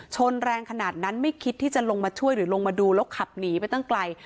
ชนแรงขนาดนั้นไม่คิดที่จะลงมาช่วยหรือลงมาดูแล้วขับหนีไปตั้งไกล